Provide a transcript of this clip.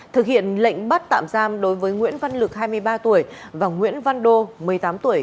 thực hiện lệnh bắt tạm giam đối với nguyễn văn lực hai mươi ba tuổi và nguyễn văn đô một mươi tám tuổi